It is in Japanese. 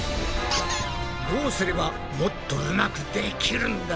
どうすればもっとうまくできるんだ？